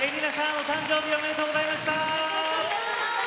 お誕生日おめでとうございました。